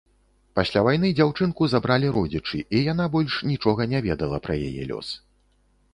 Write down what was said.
Пасля вайны дзяўчынку забралі родзічы, і яна больш нічога не ведала пра яе лёс.